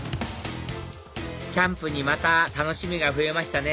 キャンプにまた楽しみが増えましたね